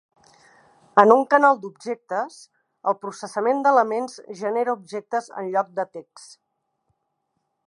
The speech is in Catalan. En un canal d'objectes, el processament d'elements genera objectes en lloc de text.